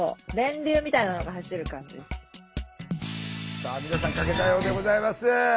さあ皆さん書けたようでございます。